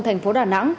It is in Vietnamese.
thành phố đà nẵng